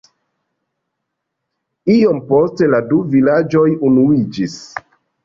Iom poste la du vilaĝoj unuiĝis.